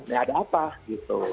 ya ada apa gitu